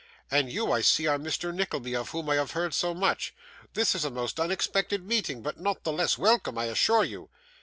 And you, I see, are Mr. Nickleby, of whom I have heard so much! This is a most unexpected meeting, but not the less welcome, I assure you.